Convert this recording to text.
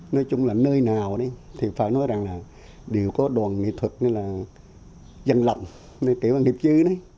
nói chung là nơi nào thì phải nói rằng là đều có đoàn nghệ thuật là dân lập kiểu là nghiệp chứ